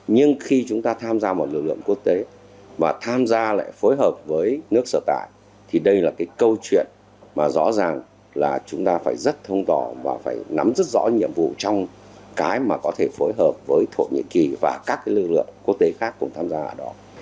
nhưng khi chúng ta tham gia một lực lượng quốc tế và tham gia lại phối hợp với nước sở tại thì đây là cái câu chuyện mà rõ ràng là chúng ta phải rất thông tỏ và phải nắm rất rõ nhiệm vụ trong cái mà có thể phối hợp với thổ nhĩ kỳ và các lực lượng quốc tế khác cùng tham gia ở đó